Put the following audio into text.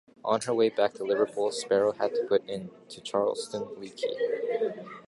On her way back to Liverpool "Sparrow" had to put into Charleston leaky.